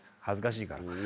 恥ずかしいから。